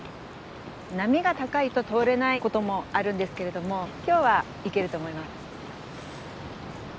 波が高いと通れないこともあるんですけれども今日は行けると思います。